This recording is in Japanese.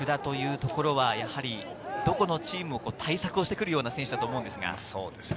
この福田というところはやはり、どこのチームも対策してくるような選手だと思うんですが。